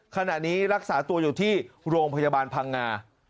ขณะนี้รักษาตัวอยู่ที่โรงพยาบาลพังงา